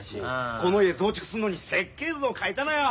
この家増築するのに設計図を描いたのよ！